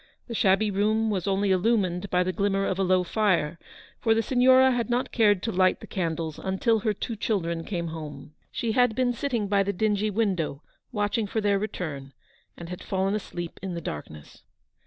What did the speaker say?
The shabby room was only illumined by the glimmer of a low fire, for the Signora had not cared to light the candles until her two children came home. She had 237 been sitting by the dingy window watching for their return, and had fallen asleep in the dark ness.